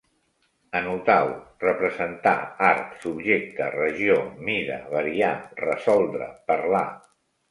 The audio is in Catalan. Anotau: representar, art, subjecte, regió, mida, variar, resoldre, parlar